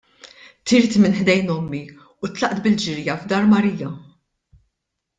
Tirt minn ħdejn ommi u tlaqt bil-ġirja f'dar Marija.